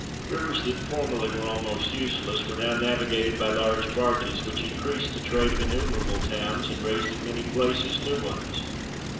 Rivers that formerly were almost useless were now navigated by large barges, which increased the trade of innumerable towns, and raised in many places new ones.